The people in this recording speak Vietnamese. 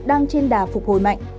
đang trên đà phục hồi mạnh